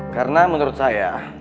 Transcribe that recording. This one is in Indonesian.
karena menurut saya